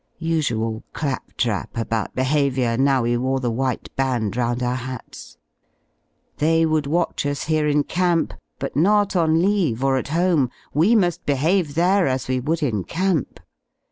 Usual clap J trap about behaviour now we wore the white band round our hats. They would watch usher e in camp, hut not on leave, or at home; zve muSl behave there as we would in camp.